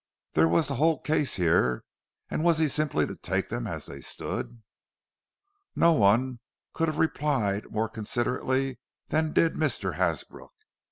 There was the whole case here; and was he simply to take them as they stood? No one could have replied more considerately than did Mr. Hasbrook.